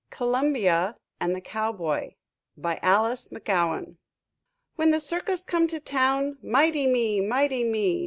COLUMBIA AND THE COWBOY BY ALICE MACGOWAN "When the circus come to town, Mighty me! Mighty me!